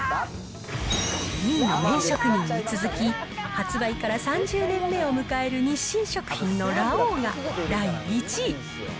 ２位の麺職人に続き、発売から３０年目を迎える日清食品のラ王が、第１位。